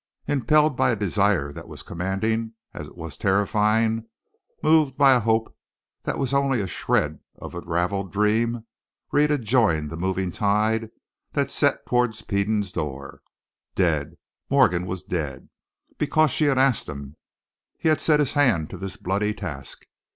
Impelled by a desire that was commanding as it was terrifying, moved by a hope that was only a shred of a raveled dream, Rhetta joined the moving tide that set toward Peden's door. Dead Morgan was dead! Because she had asked him, he had set his hand to this bloody task.